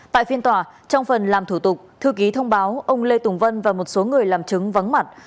tại phiên tòa trong phần làm thủ tục thư ký thông báo ông lê tùng vân và một số người làm chứng vắng mặt